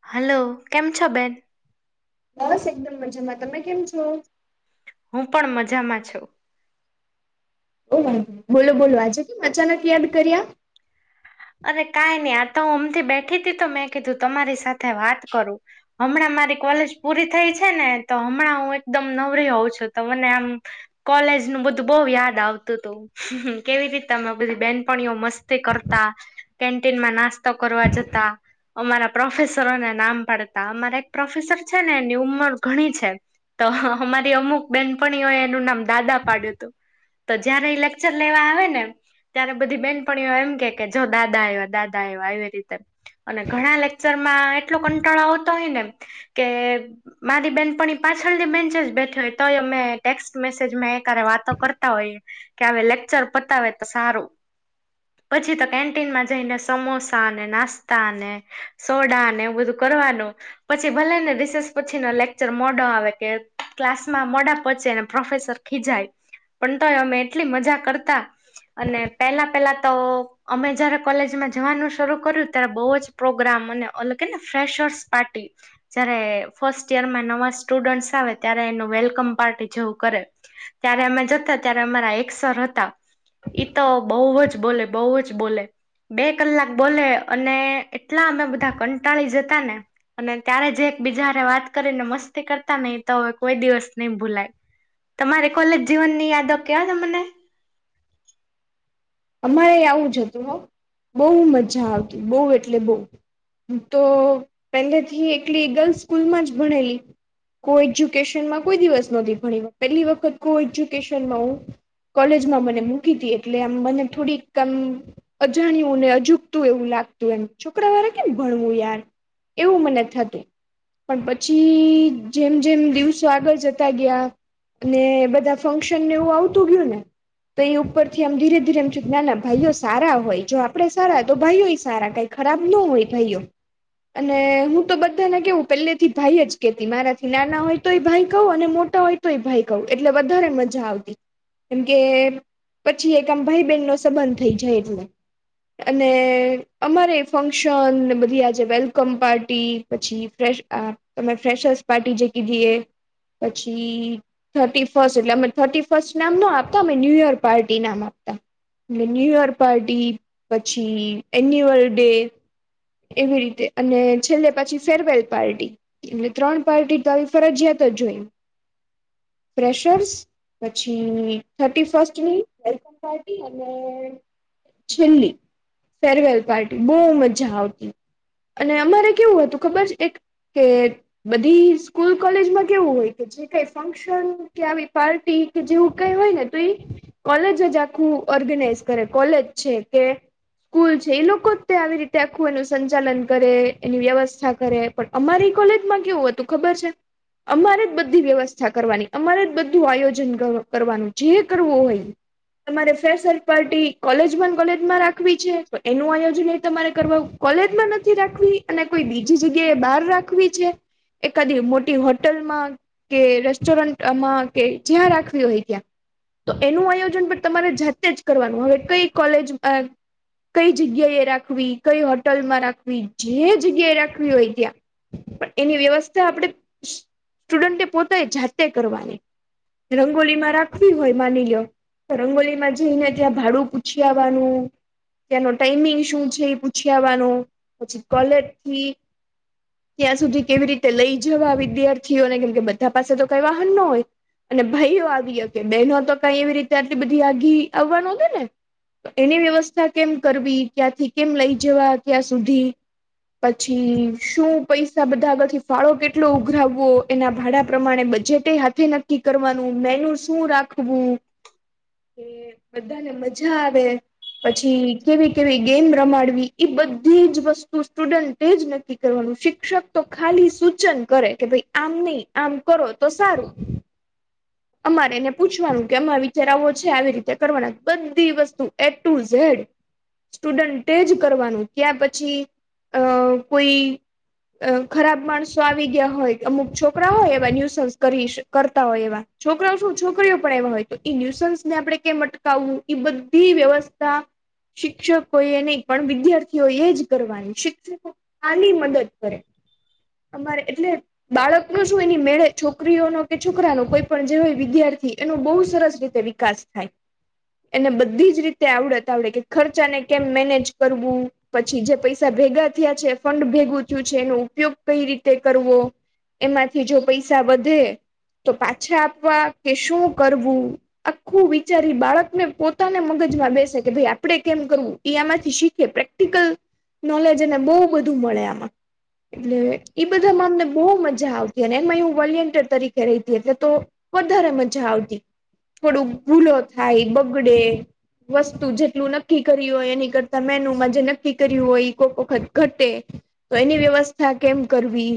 Hello કેમ છો બેન? બસ એકદમ મજામાં. તમે કેમ છો? હું પણ મજામાં છું. ઓ વા બોલો બોલો આજે કેમ અચાનક યાદ કરીયા? અરે કાઈ નઈ આ તો હું હમથી બેઠી હતી તો મેં કીધું તમારી સાથે વાત કરું હમણાં મારી કોલેજ પૂરી થઈ છે ને તો હમણાં હું એકદમ નવરી હોઉં છું તો મને આમ કોલેજ નું બધું બહુ યાદ આવતું હતું. કેવી રીતે તમે બધી બેનપણીઓ મસ્તી કર કેન્ટીનમાં નાસ્તો કરવા જતા અમારા પ્રોફેસરોને નામ પાડતા અમારે એક પ્રોફેસર છે ને એની ઉંમર ઘણી છે તો અમારી અમુક બેનપણીઓએ એનું નામ દાદા પાડ્યું હતું તો જયારે એ લેક્ચર લેવા આવે ને ત્યારે બધી બેનપણીઓ એમ કે કે જો દાદા આવયા દાદા આવયા આવી રીતે અને ઘણા લેક્ચર માં એટલો કંટાળો આવતો હોય ને કે મારી બહેનપણી એ પાછળની બેન્ચે જ બેઠી હોય તોય અમે ટેક્સ્ટ મેસેજ માં એકારે વાતો કરતા હોયએ કે હવે લેક્ચર પતાવે તો સારું પછી કેન્ટીનમાં જઈને સમોસા અને નાસ્તા અને સોડાને એવું બધું કરવાનું પછી ભલે ને રિસેસ પછી નો લેકચર મોડો આવે કે ક્લાસમાં મોડા પોચેને પ્રોફેસર ખીજાય પણ તો અમે એટલી મજા કરતા અને પેલા પેલા તો અમે જયારે કોલેજમાં જવાનું શરૂ કર્યું ત્યારે બહુ જ પ્રોગ્રામ અને અ કે ને ફ્રેશર્સ પાર્ટી જયારે ફર્સ્ટ યરમાં નવા સ્ટુડન્ટસ આવે ત્યારે એનું વેલકમ પાર્ટી જેવું કરે ત્યારે અમે જતા ત્યારે અમારા એકસર હતા ઈ તો બહુ જ બોલે બહુ જ બોલે બે કલાક બોલે અને એટલા અમે બધા કંટાળી જતા ને અને ત્યારે જે એક બીજા હારે વાત કરીને મસ્તી કરતા ને એ તો હવે કોઈ દિવસ નહી ભૂલાય તમારી કોલેજ જીવન ની યાદો કેવો ને મને અમારે આવું જતું હો બોહ મજા આવતી બહુ એટલે બોહ તો પેલેથી એકલી ગીર્લ્સ સ્કૂલમાં જ ભણેલી કો એજ્યુકેશનમાં કોઈ દિવસ નોતી ભણી પેલી વખત કો એજુકેશનમાં હું કોલેજમાં મને મૂકી હતી એટલે આમ મને થોડીક આમ અજાણ્યું ને અજુગતું એવું લાગતું એમ છોકરાહારે કેમ ભણવું યાર એવું મને થતું પણ પછી જેમ જેમ દિવસો આગળ જતા ગયા અને બધા ફંક્શન ને એવું આવતું ગયું ને તો એ ઉપર થી આમ ધીરે ધીરે ના ના ભાઈઓ સારા હોય જો આપડે સારા તો ભાઈઓ ઈ સારા કઈ ખરાબ ન હોય ભાઈઓ અને હું તો બધાને કેવું પેલેથીજ ભાઈ જ કેતી મારાથી નાના હોય તો એ ભાઈ કહું અને મોટા હોય તોય ભાઈ કવ એટલે વધારે મજા આવતી કેમ કે પછી એક આમ ભાઈ બેનનો સબંધ થઈ જાય એટલે અને અમારે ફંક્શન ને બધી આજે વેલકમ પાર્ટી પછી ફેશ આ તમે ફેશર્સ પાર્ટી જે કીધીએ પછી થર્ટી ફર્સ્ટ એટલે અમે થર્ટી ફર્સ્ટ નામ ના આપતા અમે ન્યુ યર પાર્ટી નામ આપતા અને ન્યુ યર પાર્ટી પછી એન્યુઅલ ડે એવી રીતે અને છેલ્લે પછી ફરેવેલ પાર્ટી એટલે ત્રણ પાર્ટી તો ફરજિયાત જ હોય ફેશર્સ પછી થર્ટી ફસ્ટની વેલકામ પાર્ટી અને છેલ્લી ફેરવેલ પાર્ટી બોહ મજા આવતી અને અમારે કેવું હતું ખબર છે એક કે બધી સ્કૂલ કોલેજમાં કેવું હોય કે જે કઈ ફંક્શન કે આવી પાર્ટી કે જેવું કઈ હોયને તો ઈ કોલેજ જ આખું ઓર્ગેનાઈઝ કરે કોલેજ છે કે સ્કૂલ છે એ લોકોજ ત આવી રીતે આખું એનું સંચાલન કરે એની વ્યવસ્થા કરે પણ અમારી કોલેજમાં કેવું હતું ખબર છે અમારે જ બધી વ્યવસ્થા કરવાની અમારે જ બધું આયોજન કરવાનું જે કરવું હોય એ તમારે ફેસરસ પાર્ટી કોલેજ માં કોલેજમાં રાખવી છે તો એનું આયોજન એ તમારે કરવાનું કોલેજમાં નથી રાખવી અને કોઈ બીજી જગ્યા એ બહાર રાખવી છે એકાદ મોટી હોટેલમાં કે રેસ્ટોરન્ટમાં કે જ્યાં રાખવી હોય ત્યાં તો એનું આયોજન પણ તમારે જાતે જ કરવાનું હવે કઈ કોલેજ કઈ જગ્યા એ રાખવી કઈ હોટલમાં રાખવી જે જગ્યા એ રાખવી હોય ત્યાં પણ એની વ્યવસ્થા આપણેે સ્ટુડન્ટ પોતા જાતે કરવાની રંગોલી માં રાખવી હોય માનીલો રંગોલીમાં જઈને ત્યાં ભાડું પૂછીયાવાનું ત્યાંનો ટાઈમિંગ શું છે પૂજયાવાનું પછી કોલેજથી ત્યાં સુધી કેવી રીતે લઈ જવા વિદ્યાર્થીઓને કેમ કે બધા પાસે તો કઈ વાહન ના હોય અને ભાઈઓ આવી હકે બહેનો તો કઈ એવી રીતે આટલી બધી આઘી આવવા નો દેને એની વ્યવસ્થા કેમ કરવી ક્યાંથી કેમ લઈ જવા ક્યાં સુધી પછી શું પૈસા બધા આગળથી ફાળો કેટલો ઉઘરાવવો એના ભાડા પ્રમાણે બજેટ તે હાથે નક્કી કરવાનું મેનું શું રાખવું [inaudible] કે બધાને મજા આવે પછી કેવી કેવી ગેમ રમાડવી ઈ બધી જ વસ્તુ સ્ટુડન્ટ જ નક્કી કરવાનું શિક્ષક તો ખાલી સૂચન કરે કે ભઈ આમ ની આમ કરો તો સારું [inaudible] અમારે એને પૂછવાનું કે એમાં વિચાર આવો છે આવી રીતે કરવાના બધી વસ્તુ એ ટુ ઝેડ સ્ટુડન્ટે જ કરવાનું ત્યાં પછી અ કોઈ અ ખરાબ માણસો આવી ગયા હોય અમુક છોકરા હોય એવા ન્યૂસન્સ કરી કરતા હોય એવા છોકરાઓ શું છોકરીઓ પણ એવા હોય તો ન્યુસન્સને આપણે કેમ અટકાવવું એ બધી વ્યવસ્થા શિક્ષકો એની પણ વિદ્યાર્થીઓ એ જ કરવાની, શિક્ષકો ખાલી મદદ કરે. અમારે એટલે બાળકનું શું એની મેળે છોકરીઓનો કે છોકરાનો કોઈ પણ જે હોય વિદ્યાર્થી એનો બહુ સરસ રીતે વી કાસ થાય. એને બધી જ રીતે આવડત આવડે કે ખર્ચાને કેમ મેનેજ કરવું. પછી જે પૈસા ભેગા થયા છે, ફંડ ભેગું થયું છે, એનો ઉપયોગ કઈ રીતે કરવો. એમાંથી જો પૈસા વધે તો પાછા આપવા કે શું કરવું? આખું વિચાર ઈ બાળકને પોતાને મગજમાં બેસે કે ભાઈ આપડે કેમ કરવું એ આમાંથી શીખ કે પ્રેક્ટિકલ નોલેજ એને બહુ બધું મળે આમાં. એટલે એ બધામાં અમને બહુ મજા આવતી અને એમાં હું વોલન્ટિયર તરીકે રેહતી એટલે તો વધારે મજા આવતી. થોડુંક ભૂલો થાય, બગડે, વસ્તુ જેટલું નક્કી કરી હોય એની કર કરતાં મેનુંમાં જે નક્કી કર્યું હોય ઈ કોક વખત ઘટે. તો એની વ્યવસ્થા કેમ કરવી.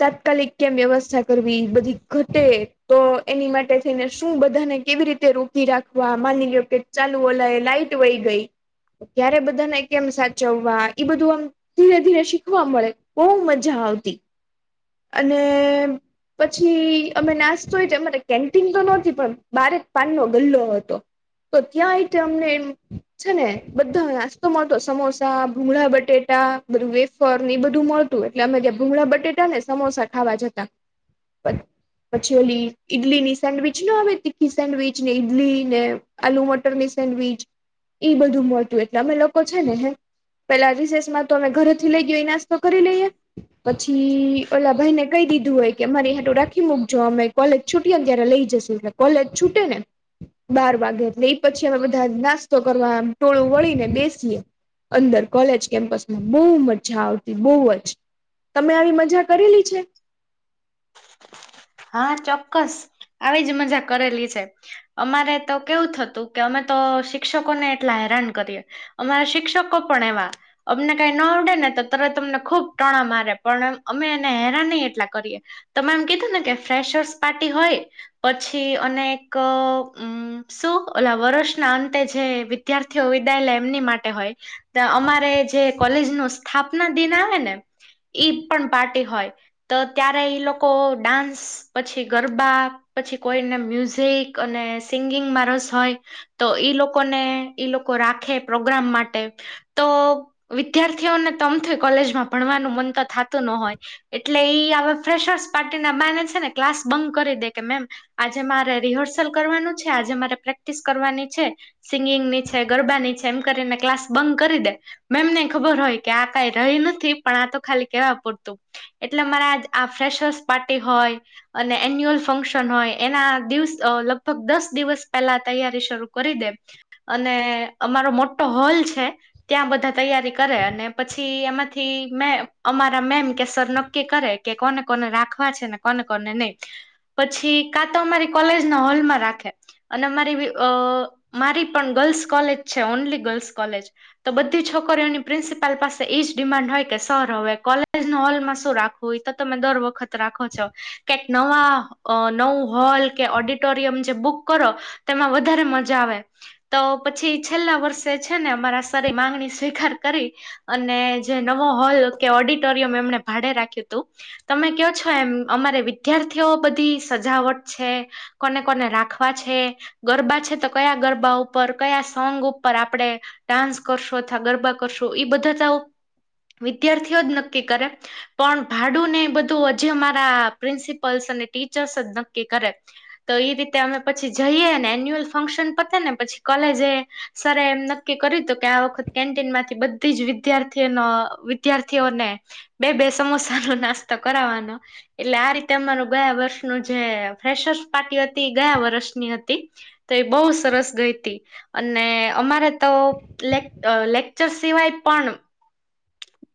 તાત્કાલિક કેમ વ્યવસ્થા કરવી, બધી ઘટે તો એની માટે થઈને શું બધાને કેવી રીત કે રોકી રાખવા, માની લો કે ચાલુ ઓલા એ લાઈટ વઈ ગઈ. ત્યારે બધાને કેમ સાચવવા ઈ બધું આમ ધીરે ધીરે શીખવા મળે, બહુ મજા આવતી. અને પછી અમે નાસ્તો એ તે અમારે કેન્ટીન તો નતી પણ બારે પાનનો ગલ્લો હતો. તો ત્યાં આઈટમ અમને છે ને બધા નાસ્તો મળતો સમોસા, ભૂગળા બટેટા, બધું વેફ ફરને એ બધું મળતું એટલે અમે ત્યાં ભૂગળા બટેટા ને, સમોસા ખાવા જતા. પછી ઓલી ઈડલી ની સેન્ડવીચ ના આવે તીખી સેન્ડવીચ ને ઈડલી ને આલુ મટરની સેન્ડવીચ ઈ બધું મળતું એટલે અમે લોકો છે ને હે પેલા રિસેસમાં તો અમે ઘરેથી લઈ ગયા ઈ નાસ્તો કરી લઈએ. પછી ઓલા ભાઈ ને કહી દીધું હોય કે અમારી હાટું રાખી મૂકજો. અમે કોલેજ છૂટીએ ને ત્યારે લઈ જશું અમે. કોલેજ છૂટે ને બાર વાગે એટલે ઈ પછી અમે બધા નાસ્તો કરવા ટોળું વળી ને બેસીએ. અંદર કોલેજ કેમ્પસમાં બહુ મજા આવતી, બહુ જ. તમે આવી મજા કરેલી છે? હા ચોક્કસ. આવી જ મજા કરેલી છે. અમારે તો કેવું થતું કે અમે તો શિક્ષકોને એટલા હેરાન કરીએ. અમારા શિક્ષકો પણ એવા અમને કાંઈ ન આવડે ને તો તરત અમને ખુબ ટણા મારે. પણ અમે એને હેરાને એટલા કરીએ. તમે એમ કીધું ને કે ફ્રેશર્સ પાર્ટી હોય. પછી અનેક અમ શું ઓલા વર્ષના અંતે જે વી વિદ્યાર્થીઓ વિદાય લે એમની માટે હોય. તો અમારે જે કોલેજનો સ્થાપના દિન આવે ને. ઈ પણ પાર્ટી હોય તો ત્યારે ઈ લોકો ડાન્સ, પછી ગરબા પછી કોઈને મ્યુઝિક અને સિંગિંગમાં રસ હોય. તો ઈ લોકોને ઈ લોકો રાખે પ્રોગ્રામ માટે. તો વિદ્યાર્થીઓને તો અમથી કોલેજમાં ભણવાનું મન તો થાતું ન હોય. એટલે ઈ આવા ફ્રેશર્સ પાર્ટી ના બાને છે ને ક્લાસ બંગ કરી દે કે મેમ આજે મારે રિહર્સલ કરવાનું છે, આજે મારે પ્રેક્ટિસ કરવાની છે. સિંગિંગની છે, ગરબાની છે, એમ કરીને ક્લાસ બંગ કરી દે. મેમને ખબર હોય કે આ કઈ રહી નથી પણ આ તો ખાલી કેવા પૂરતું. એટલે મારે આજ આ ફ્રેશસ પાર્ટી હોય. અને એન્યુઅલ ફંક્શન હોય એના દિવસ લગભગ દસ દિવસ પહેલા તૈયારી શરૂ કરી દે. અને અમારો મોટો હોલ છે ત્યાં બધા તૈયારી કરે અને પછી અમે થી મે અમારા મેમ કેસ નક્કી કરે કે કોને કોને રાખ વા છે ને કોને કોને નહી પછી કા તો અમારી કોલેજ ના હોલમાં રાખે. અને મારી બી અ મારી પણ ગર્લ્સ કોલેજ છે ઓનલી ગર્લ્સ કોલેજ. તો બધી છોકરીઓની પ્રિન્સિપલ પાસે એજ ડિમાન્ડ હોય કે સર હવે કોલેજ ન હોલમાં શું રાખ હોય તો તમે દર વખત રાખો છો. કેક નવા અ નવું હોલ કે ઓડિટોરિયમ જે બુક કરો તેમાં વધારે મજા આવે. તો પછી છેલ્લા વર્ષે છે ને અમારા સર એ માંગણી સ્વીકાર કરી અને જે નવો હોલ કે ઓડિટોરિયમ એમણે ભાડે રાખ્યું તું તમે ક્યો છો એમ અમારે વિદ્યાર્થીઓ બધી સજાવટ છે કોને કોને રાખવા છે, ગરબા છે તો કયા ગરબા ઉપર કયા સોંગ ઉપર આપડે ડાન્સ કરશો અથવા ગરબા કરશો ઇ બધા ઓ વિદ્યાર્થીઓ જ નક્કી કરે પણ ભાડું ને બધું અ જે અમારા પ્રિન્સિપલ્સ અને ટીચર્સ જ નક્કી કરે. તો ઈ રીતે અમે પછી જઈએ ને એન્યુઅલ ફંક્શન પતે ને પછી કોલેજ એ સર એમ નક્કી કર્યું હતું કે આ વખત કેન્ટીનમાંથી બધી જ વિદ્યાર્થીઓ નો વિદ્યાર્થીઓને બે-બે સમોસા નો નાસ્તો કરાવવાનો. એટલે આ રીતે અમારું ગયા વર્ષનું જે ફ્રેશર્સ પાર્ટી હતી એ ગયા વર્ષની હતી. તે એ બહુ સરસ ગઈ તી. અને અમારે તો લેક લેકચર સિવાય પણ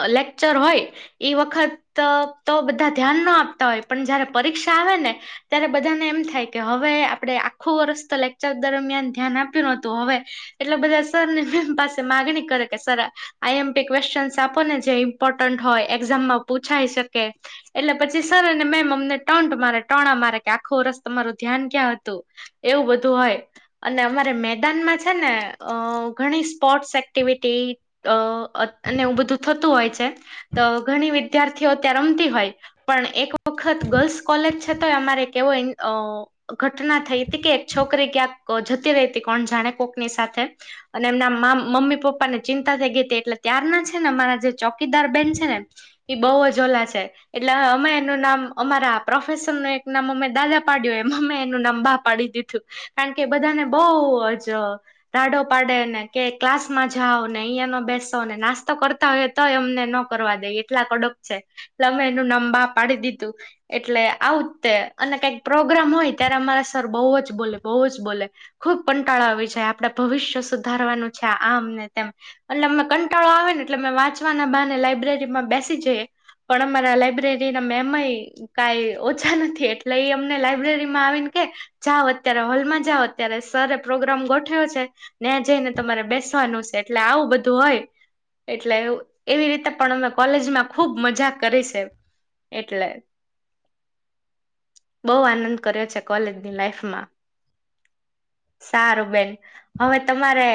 અ લેક્ચર હોય, ઈ વખત તો તો બધા ધ્યાન ના આપતા હોય પણ જયારે પરીક્ષા આવે ને, ત્યારે બધાને એમ થાય કે હવે આપણે આખું વર્ષ તો લેકચર દરમિયાન ધ્યાન આપ્યું ન હતું હવે એટલા બધા સર મેમ પાસે માગણી કરે કે સર આઈ એમ પી ક્વેશચનસ આપો ને જે ઇમ્પોર્ટન્ટ હોય એક્ઝામમાં પૂછાઈ શકે. એટલે પછી સર અને મેમ અમને ટોન્ટ મારે ટોણા મારે કે આખો વરસ તમારું ધ્યાન ક્યાં હતું. એવું બધું હોય. અને અમારે મેદાનમાં છે ને અ ઘણી અ સ્પોર્ટ્સ એક્ટિવિટી અ અને એવું બધું થતું હોય છે તો ઘણી વિદ્યાર્થીઓ ત્યાં રમતી હોય, પણ એક વખત ગર્લ્સ કોલેજ છતાંય અમારે કેવોય ઈ અ ઘટના થઈ તી કે એક છોકરી ક્યાંક અ જતી રહી તી કોણ જાણે કોકની સાથે. અને એમના માં મમ્મી પપ્પા ને ચિંતા થઈ ગઈ તી એટલે ત્યારના છે ને અમારા જે ચોકીદાર બેન છે ને ઈ બહુ જ ઓલા છે એટલે અમે એનું નામ અમારા પ્રોફેશર નું એક નામ અમે દાદા પાડ્યું એ અમે એનું નામ બા પાડી દીધું કારણ કે બધાને બઉ જ રાડો પાડે ને કે ક્લાસ માં જાઓ ને અહિયા ન બેસ તો નાસ્તો કરતા હોય તો એમને ન કરવા દે એટલા કડક છે. લ અમે એનું બા પાડી દીધું. એટલે આવું તે અને કંઈક પ્રોગ્રામ હોય ત્યારે અમારા સર બઉ જ બોલે બઉ જ બોલે. ખુબ કંટાળા આવી જાય આપડે ભવિષ્ય સુધારવાનું છે આમ ને તેમ અટલે અમે કં કંટાળો આવે ને એટલે મે વાંચવાના બાને લાયબ્રેરી માં બેસી જઈએ પણ અમારા લાઈબ્રેરી ના મેમય કાઈ ઓછા નથી એટલે ઈ અમને લાઈબ્રેરી માં આવીને કે જાઓ અત્યારે હોલમાં જાઓ અત્યારે સર એ પ્રોગ્રામ ગોઠવ્યો છે. નયા જઈને તમારે બેસવાનું શે એટલે આવું બધું હોય. એટલે એવું એવી રીતે પણ અમે કોલેજમાં ખુબ મજા કરી શે. એટલે. બઉ આનંદ કર્યો છે કોલેજની લાઈફમાં. સારું બેન હવે તમારે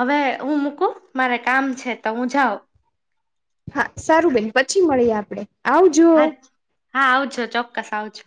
હવે હું મૂકું મારે કામ છે તો હું જાઉ. હા સારું બેન પછી મળીએ આપડે. હા, આવજો હા આવજો ચોક્કસ આવજો.